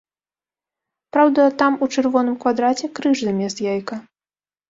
Праўда, там у чырвоным квадраце крыж замест яйка.